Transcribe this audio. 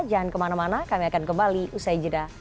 jangan kemana mana kami akan kembali usai jeda